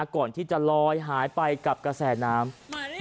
ก่อนที่จะลอยหายไปกับกระแสน้ำ